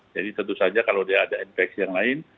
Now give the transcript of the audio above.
jadi tentu saja kalau dia ada infeksi yang lain